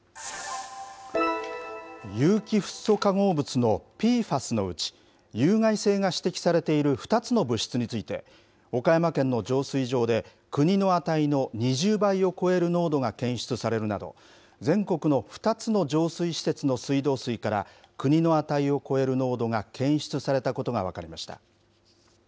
有機フッ素化合物のＰＦＡＳのうち、有害性が指摘されている２つの物質について、岡山県の浄水場で、国の値の２０倍を超える濃度が検出されるなど、全国の２つの浄水施設の水道水から、国の値を超える濃度が検出されたことが分かりました。